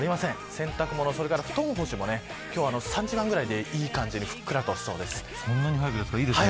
洗濯物、布団干しも今日は３時間ぐらいでいい感じにふっくらしそうです。